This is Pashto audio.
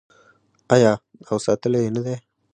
آیا او ساتلی یې نه دی؟